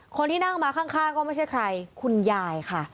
คนที่นั่งมาข้างก็ไม่ใช่ใครคุณยายค่ะ